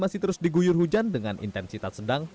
masih terus diguyur hujan dengan intensitas sedang